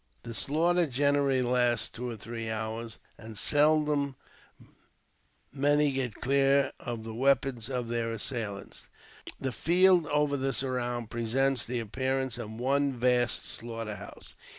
The slaughter generally lasts two or three hours, and seldom many get clear of the weapons of their assailants. The field over, the " surround" presents the appearance of one vast slaughter house.